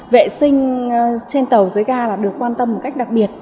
vệ sinh trên tàu dưới ga là được quan tâm một cách đặc biệt